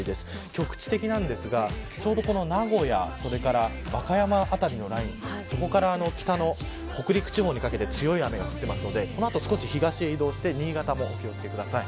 局地的なんですがちょうど名古屋和歌山辺りのラインそこから北の北陸地方にかけて強い雨が降っているのでこの後、少し東へ移動して新潟もお気を付けください。